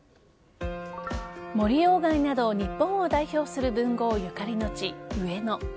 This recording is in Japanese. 森鴎外など、日本を代表する文豪ゆかりの地・上野。